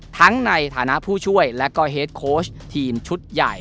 ในฐานะผู้ช่วยและก็เฮดโค้ชทีมชุดใหญ่